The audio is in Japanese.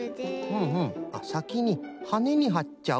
ふんふんさきにはねにはっちゃう。